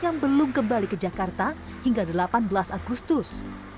yang belum kembali ke jakarta hingga delapan belas agustus